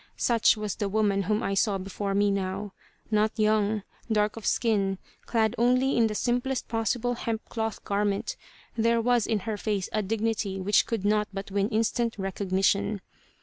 Such was the woman whom I saw before me now. Not young; dark of skin, clad only in the simplest possible hemp cloth garment, there was in her face a dignity which could not but win instant recognition.